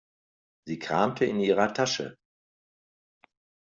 Sie kramte in ihrer Tasche.